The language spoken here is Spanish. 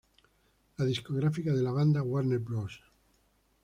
La discográfica de la banda, Warner Bros.